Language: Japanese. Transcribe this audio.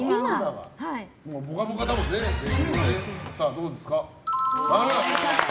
どうですか？